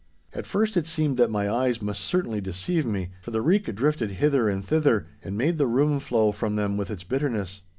At first it seemed that my eyes must certainly deceive me, for the reek drifted hither and thither, and made the rheum flow from them with its bitterness.